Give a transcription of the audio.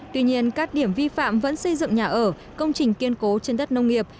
tuy nhiên các điểm vi phạm vẫn xây dựng nhà ở công trình kiên cố trên đất nông nghiệp